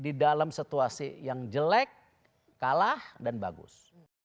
di dalam situasi yang jelek kalah dan bagus